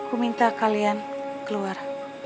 aku minta kalian keluar